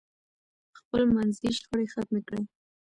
خپل منځي شخړې ختمې کړئ.